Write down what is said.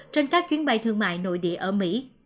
trên các chuyến bay thương mại nội địa ở mỹ